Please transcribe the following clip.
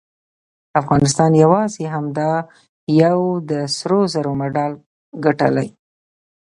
افغانستان یواځې همدا یو د سرو زرو مډال ګټلی